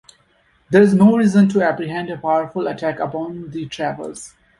There is no reason to apprehend a powerful attack upon the traverse.